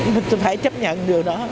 mình phải chấp nhận điều đó